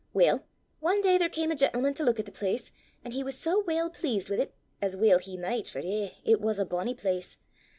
Weel, ae day there cam a gentleman to luik at the place, an' he was sae weel pleased wi' 't as weel he micht, for eh, it was a bonnie place!